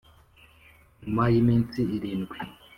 Nyuma y'iminsi irindwi